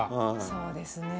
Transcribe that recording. そうですね。